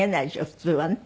普通はね。